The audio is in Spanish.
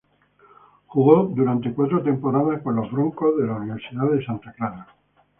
Jugó durante cuatro temporadas con los "Broncos" de la Universidad de Santa Clara.